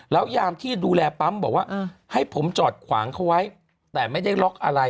แล้วยามที่ดูแลปั๊มบอกว่าให้ผมจอดขวางเขาไว้แต่ไม่ได้ล็อกอะไร